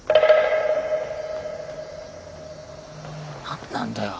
何なんだよ